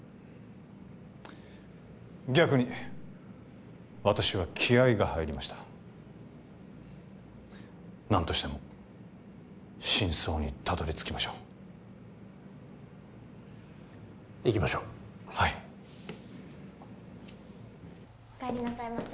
逆に私は気合いが入りました何としても真相にたどり着きましょう行きましょうはいお帰りなさいませ